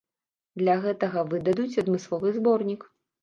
Для гэтага выдадуць адмысловы зборнік.